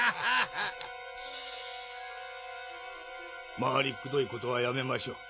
回りくどいことはやめましょう。